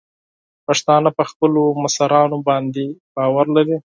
پښتانه په خپلو مشرانو باندې باور لري.